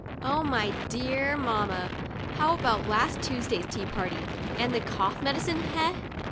Oh my dear mamma ! How about last Tuesday's tea party, and the cough medicine, eh